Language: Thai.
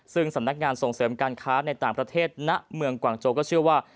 ซึ่งสำนักงานส่งเสริมการค้าในต่างประเทศณเมืองกวางโจก็เชื่อว่า